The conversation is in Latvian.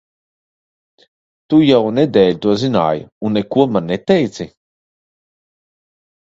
Tu jau nedēļu to zināji, un neko man neteici?